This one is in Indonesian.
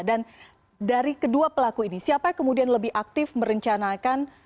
dan dari kedua pelaku ini siapa yang kemudian lebih aktif merencanakan